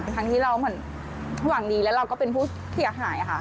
ทั้งที่เราเหมือนหวังดีแล้วเราก็เป็นผู้เสียหายค่ะ